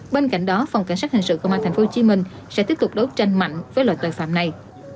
bên cạnh đó phòng cảnh sát hình sự công an tp hcm sẽ tiếp tục đấu tranh mạnh với loại tội phạm này